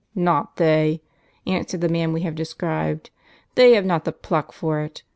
" "Not they," answered the man we have described, "they have not the pluck for it.